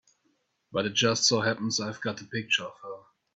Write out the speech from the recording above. But it just so happens I've got a picture of her.